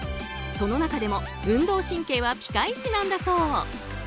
その中でも運動神経はピカイチなんだそう。